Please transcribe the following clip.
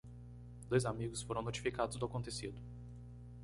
Dois amigos foram notificados do acontecido.